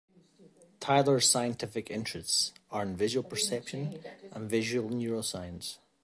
Tyler's scientific interests are in visual perception and visual neuroscience.